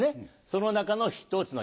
その中の１つの行